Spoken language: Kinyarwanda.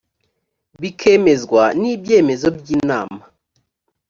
bikemezwa n’ibyemezo by’inama